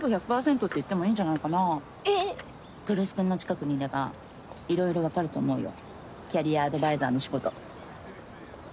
来栖君の近くにいればいろいろわかると思うよキャリアアドバイザーの仕事。